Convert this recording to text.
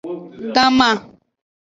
Ganma.